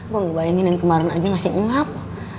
gue ngebayangin yang kemarin aja masih ingat